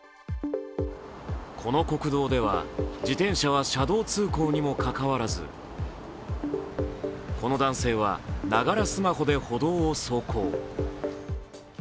この国道では自転車は車道通行にもかかわらずこの男性はながらスマホで歩道を走行。